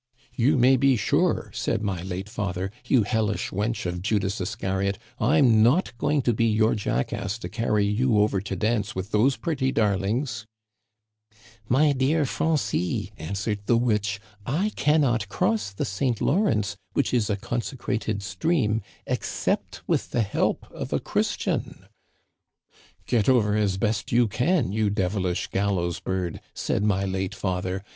"* You may be sure,' said my late father, * You hel lish wench of Judas Iscariot, I'm not going to be your jackass to carry you over to dance with those pretty darlings Î '"* My dear Francis,' answered the witch, * I can not cross the St. Lawrence, which is a consecrated stream, except with the help of a Christian.' "* Get over as best you can, you devilish gallows bird,' said my late father.